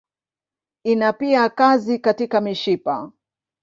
Ina pia kazi katika mishipa.